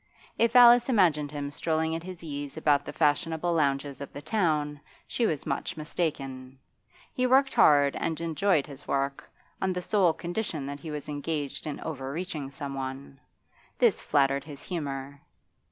If Alice imagined him strolling at his ease about the fashionable lounges of the town, she was much mistaken. He worked hard and enjoyed his work, on the sole condition that he was engaged in overreaching someone. This flattered his humour.